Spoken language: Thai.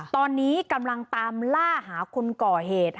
ตอนนี้กำลังตามล่าหาคนก่อเหตุ